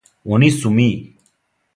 Они су ми!